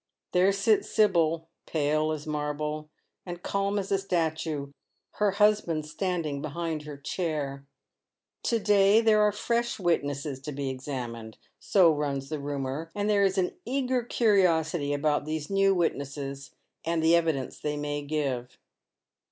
There sits Sibyl, pale as marble, and calm as a statue, her husband standing behind her chair. To day there are fresh witnesses to be examined — so runs the rumour, and there is an eager curiosity about these new witnesses and the evidence they may give.